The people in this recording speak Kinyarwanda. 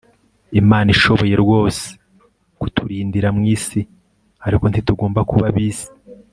imana ishoboye rwose kuturindira mu isi, ariko ntitugomba kuba ab'isi